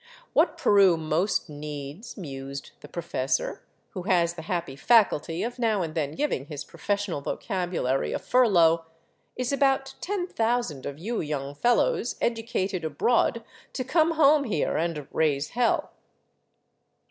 " What Peru most needs," mused the professor, who has the happy faculty of now and then giving his professional vocabulary a fur lough, " is about ten thousand of you young fellows educated abroad to come home here and raise hell."